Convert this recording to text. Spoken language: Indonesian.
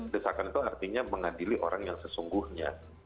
desakan itu artinya mengadili orang yang sesungguhnya